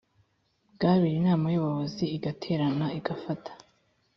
bw abiri inama y ubuyobozi iterana igafata